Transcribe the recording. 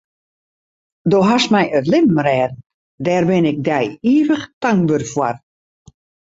Do hast my it libben rêden, dêr bin ik dy ivich tankber foar.